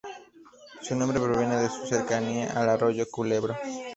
Su nombre proviene de su cercanía al arroyo Culebro.